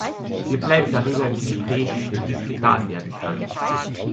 Wir bleiben darüber im Gespräch, wie dies getan werden kann.